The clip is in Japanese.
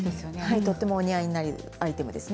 とてもお似合いになるアイテムですね。